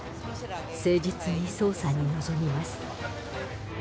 誠実に捜査に臨みます。